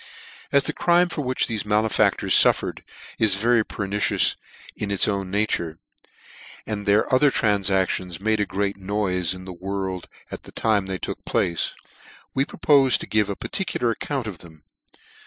AS the crime for which thefe malefactors fuffered is very pernicious in its own nature, and their other tranfactions made a great noife in the world at the time they took place, we propofe to give a particular account of them.